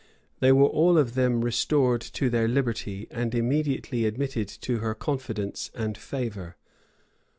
[*] They were all of them restored to their liberty, and immediately admitted to her confidence and favor.